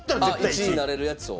１位になれるやつを。